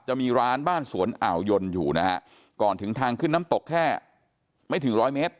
จะมีร้านบ้านสวนอ่าวยนอยู่นะฮะก่อนถึงทางขึ้นน้ำตกแค่ไม่ถึงร้อยเมตร